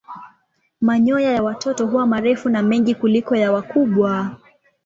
Manyoya ya watoto huwa marefu na mengi kuliko ya wakubwa.